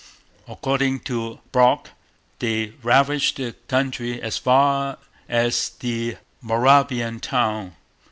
According to Brock, they 'ravaged the country as far as the Moravian Town.'